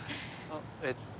えっと